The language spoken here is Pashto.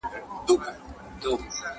زما ورور هره ورځ ورزش کوي.